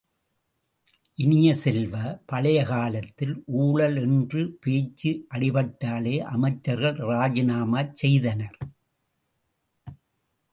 இனிய செல்வ, பழைய காலத்தில் ஊழல் என்று பேச்சு அடிப்பட்டாலே அமைச்சர்கள் ராஜிநாமாச் செய்தனர்.